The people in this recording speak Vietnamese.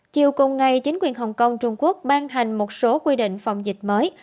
chiều cùng ngày chính quyền hồng kông trung quốc ban hành một số quy định phòng dịch mới